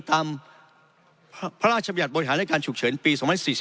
ตามพระราชบัญญาณบริหารและการฉุกเฉินปี๒๔๘